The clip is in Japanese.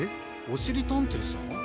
おしりたんていさん？